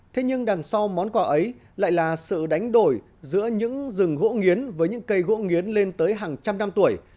thế nhưng đằng sau món quà ấy lại là sự đánh đổi giữa những rừng gỗ nghiến với những cây gỗ nghiến lên tới hàng trăm năm tuổi